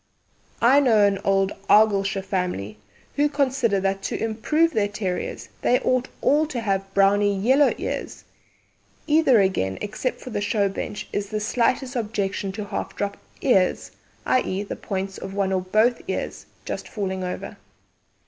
I know an old Argyllshire family who consider that to improve their terriers they ought all to have browny yellow ears. Neither again, except for the show bench, is there the slightest objection to half drop ears i.e., the points of one or both ears just falling over.